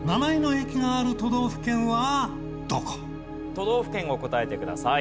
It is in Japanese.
都道府県を答えてください。